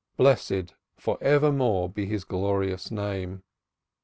Blessed for evermore be His glorious name."